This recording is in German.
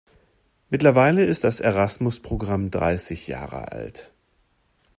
Mittlerweile ist das Erasmus-Programm dreißig Jahre alt.